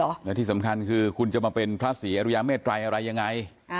แล้วที่สำคัญคือคุณจะมาเป็นพระศรีอรุยาเมตรัยอะไรยังไง